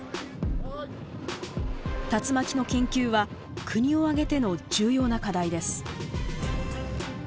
竜巻の研究は国を挙げての重要な課題です。